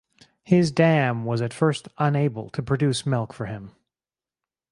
His dam was at first unable to produce milk for him.